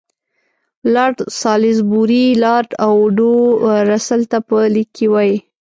لارډ سالیزبوري لارډ اوډو رسل ته په لیک کې وایي.